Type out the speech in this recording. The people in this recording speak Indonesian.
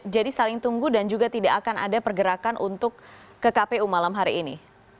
jadi saling tunggu dan juga tidak akan ada pergerakan untuk ke kpu malam hari ini